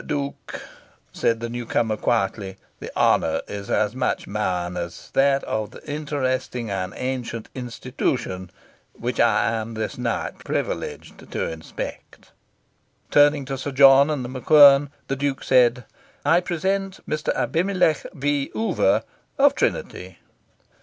"Duke," said the newcomer quietly, "the honour is as much mine as that of the interesting and ancient institution which I am this night privileged to inspect." Turning to Sir John and The MacQuern, the Duke said "I present Mr. Abimelech V. Oover, of Trinity."